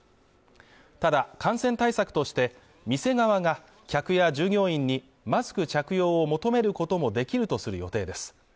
ただ感染対策として店側が客や従業員にマスク着用を求めることもできるとする予定です